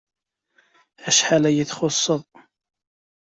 Acḥal iyi-txuṣṣeḍ!